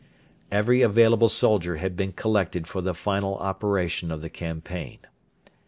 Every available soldier had been collected for the final operation of the campaign.